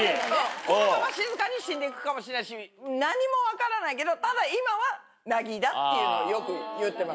このまま静かに死んで行くかもしれないし何も分からないけどただ今は凪だっていうのをよく言ってます。